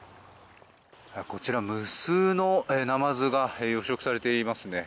こちら無数のナマズが養殖されていますね。